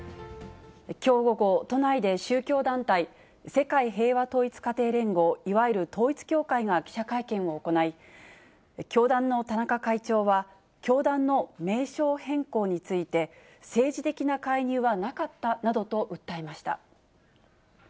きょう午後、都内で宗教団体、世界平和統一家庭連合、いわゆる統一教会が記者会見を行い、教団の田中会長は、教団の名称変更について、政治的な介入はなかったなどと訴えました。